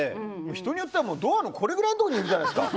人によってはドアのこれくらいのところにいるじゃないですか。